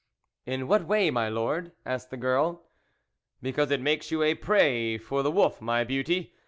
" In what way my Lord ?" asked the girl. " Because it makes you a prey for the wolf, my beauty.